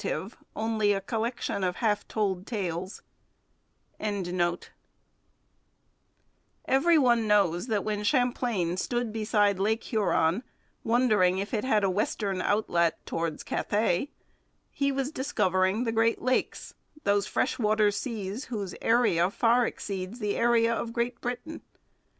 CHAPTER IV SAILING CRAFT: UNDER THE FLEURS DE LIS Every one knows that when Champlain stood beside Lake Huron, wondering if it had a western outlet towards Cathay, he was discovering the Great Lakes, those fresh water seas whose area far exceeds the area of Great Britain.